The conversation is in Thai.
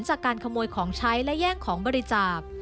จากการขโมยของใช้และแย่งของบริจาค